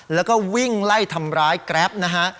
แล้วก็วิ่งไล่ทำร้ายแกรปนะฮะ